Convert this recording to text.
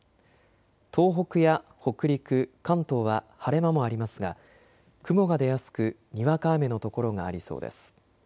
東北や北陸、関東は晴れ間もありますが雲が出やすくにわか雨の所がありそうです。